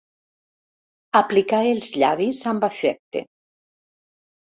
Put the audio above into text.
Aplicar els llavis amb afecte.